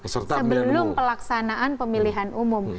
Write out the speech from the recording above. sebelum pelaksanaan pemilihan umum